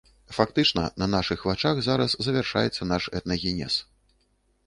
Фактычна, на нашых вачах зараз завяршаецца наш этнагенез.